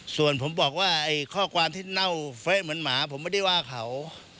ส่วนผมบอกว่าไอ้ข้อความที่เน่าเฟ้อเหมือนหมาผมไม่ได้ว่าเขา